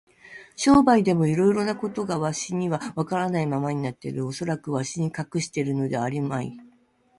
商売でもいろいろなことがわしにはわからないままになっている。おそらくわしに隠してあるのではあるまい。